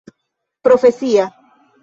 profesia